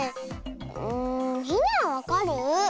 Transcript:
うんみんなはわかる？